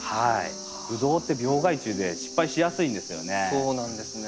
ブドウって病害虫で失敗しやすいんですよね。